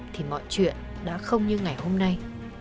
thì mọi chuyện đã không như ngày hôm nay